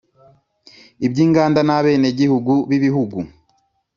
iby inganda n abenegihugu b ibihugu